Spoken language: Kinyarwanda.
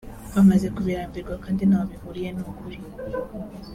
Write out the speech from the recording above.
bamaze kubirambwira kandi ntaho bihuriye n’ukuri